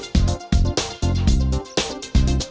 tak bisa ku lupakanmu